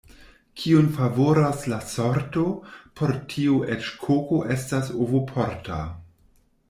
Kiun favoras la sorto, por tiu eĉ koko estas ovoporta.